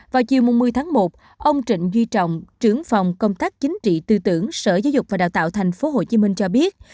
vào chiều một mươi tháng một ông trịnh duy trọng trưởng phòng công tác chính trị tư tưởng sở giáo dục và đào tạo thành phố hồ chí minh cho biết